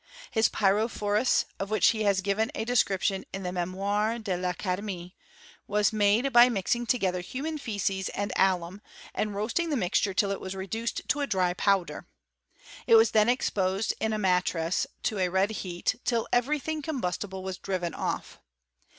His pyrophoms, of which he has given a description in the Memoires de I'Academie,* was made by mixing _• Form, p,238. 343 BiStO&t Of Ch£MXSTRY* together human feeces and alum, and roasting the mixture till it. was reduced to a dry powder. It was. then exposed in a matrass to a red heat, till every thing combustible was driven off.